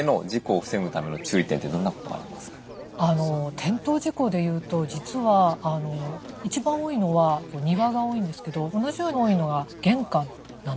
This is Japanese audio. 転倒事故でいうと実は一番多いのは庭が多いんですけど同じように多いのが玄関なんですね。